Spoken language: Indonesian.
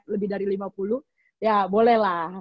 lebih dari lima puluh ya bolehlah